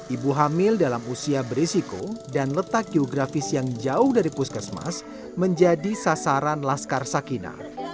ibu hamil dalam usia berisiko dan letak geografis yang jauh dari puskesmas menjadi sasaran laskar sakina